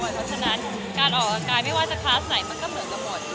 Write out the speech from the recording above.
เพราะฉะนั้นการออกกำลังกายไม่ว่าจะคลาสไหนมันก็เหมือนกันหมด